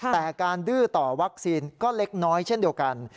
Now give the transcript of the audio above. แต่การดื้อต่อวัคซีนก็เล็กน้อยเช่นเดียวกัน